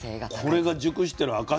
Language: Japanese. これが熟してる証しね。